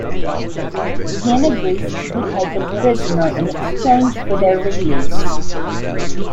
Pen agrees to be taken prisoner in exchange for their release.